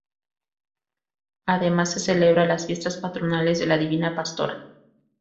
Además se celebra las fiestas patronales de la Divina Pastora.